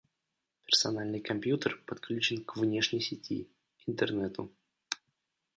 Персональный компьютер подключен к внешней сети – Интернету